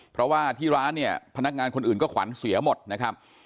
เพราะว่าที่ร้านเนี่ยพนักงานคนอื่นก็ขวัญเสียหมดนะครับ